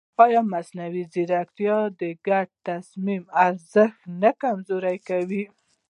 ایا مصنوعي ځیرکتیا د ګډ تصمیم ارزښت نه کمزوری کوي؟